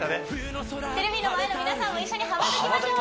テレビの前の皆さんも一緒に羽ばたきましょう！